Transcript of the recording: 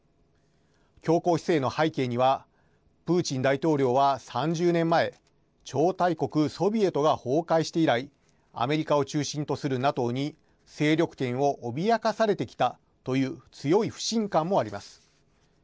強硬姿勢の背景にはプーチン大統領は、３０年前超大国ソビエトが崩壊して以来アメリカを中心とするＮＡＴＯに勢力圏を脅かされてきたという強い不信感もあります。